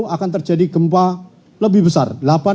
akan terjadi gempa lebih besar